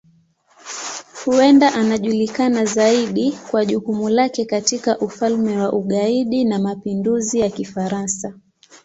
Huenda anajulikana zaidi kwa jukumu lake katika Ufalme wa Ugaidi wa Mapinduzi ya Kifaransa.